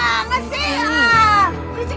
risik banget sih